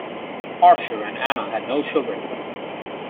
Archer and Anna had no children.